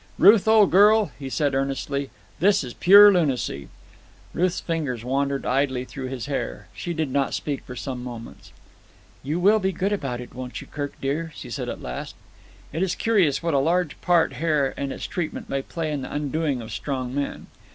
"Ruth, old girl," he said earnestly, "this is pure lunacy." Ruth's fingers wandered idly through his hair. She did not speak for some moments. "You will be good about it, won't you, Kirk dear?" she said at last. It is curious what a large part hair and its treatment may play in the undoing of strong men.